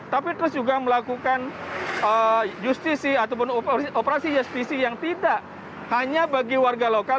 tapi terus juga melakukan justisi ataupun operasi justisi yang tidak hanya bagi warga lokal